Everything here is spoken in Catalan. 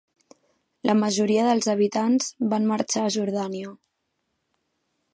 La majoria dels habitants van marxar a Jordània.